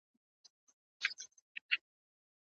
د شيدو ورکولو په خاطر د حمل ځنډول.